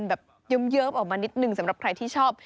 แบบเยิ้มออกมานิดนึงสำหรับใครที่ชอบ